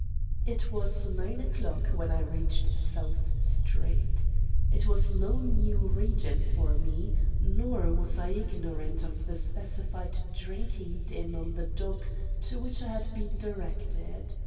"It was nine o'clock when I reached South Street. It was no new region to me, nor was I ignorant of the specified drinking den on the dock to which I had been directed.